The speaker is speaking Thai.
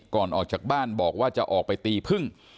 ก่อนออกจากบ้านบอกว่าจะออกไปตีพึ่ง